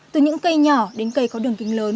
từ những cây nhỏ đến cây có đường kính lớn